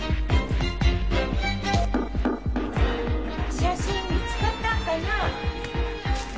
写真見つかったんかな？